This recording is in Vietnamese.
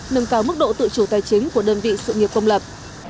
nâng cao mức độ tự chủ tài chính của đơn vị sự nghiệp công lập